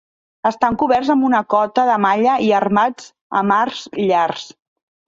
Estan coberts amb una cota de malla i armats amb arcs llargs.